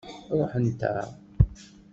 Ṛuḥent-aɣ.